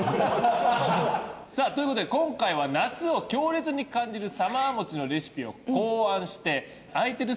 さあという事で今回は夏を強烈に感じるサマーもちのレシピを考案して空いてる